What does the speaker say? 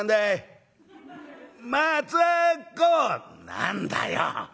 「何だよ？」。